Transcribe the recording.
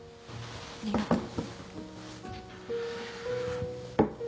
ありがとう。